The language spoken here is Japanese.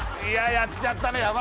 いややっちゃったね